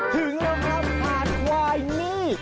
ถึงแล้วครับหาดควายนี่